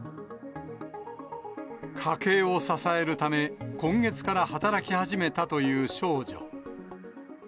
家計を支えるため、今月から働き始めたという少女。